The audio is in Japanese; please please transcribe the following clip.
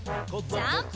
ジャンプ！